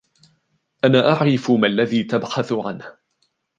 أنا أعرف ما الذي تبحث عنهُ.